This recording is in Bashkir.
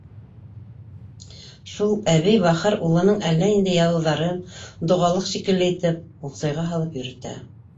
Шул әбей, бахыр, улының әллә ниндәй яҙыуҙарын, доғалыҡ шикелле итеп, муҡсайға һалып йөрөтә.